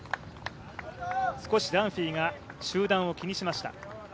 少しダンフィーが集団を気にしました。